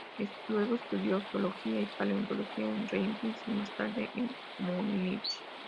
Luego estudió geología y paleontología en Leipzig y más tarde en Munich.